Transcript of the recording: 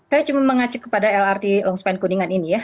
saya cuma mengacu kepada lrt longspan kuningan ini ya